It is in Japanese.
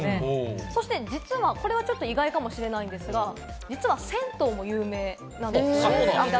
そして、これは意外かもしれないんですが実は銭湯も有名なんです。